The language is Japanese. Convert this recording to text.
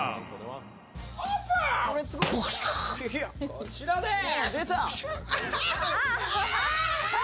こちらでーす！